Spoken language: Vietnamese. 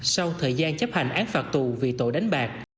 sau thời gian chấp hành án phạt tù vì tội đánh bạc